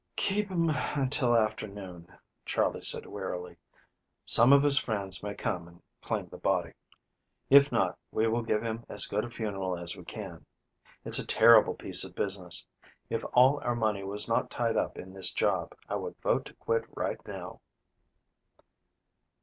"Keep him until afternoon," Charley said wearily. "Some of his friends may come and claim the body. If not, we will give him as good a funeral as we can. It's a terrible piece of business. If all our money was not tied up in this job, I would vote to quit right now."